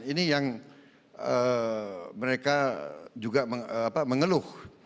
ini yang mereka juga mengeluh